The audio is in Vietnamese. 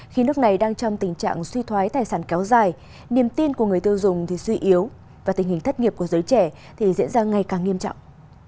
khi nước này đang trong tình trạng suy thoái tài sản kéo dài niềm tin của người tiêu dùng suy yếu và tình hình thất nghiệp của giới trẻ thì diễn ra ngày càng nghiêm trọng